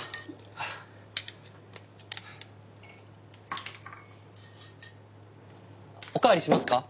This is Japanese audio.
ああ。おかわりしますか？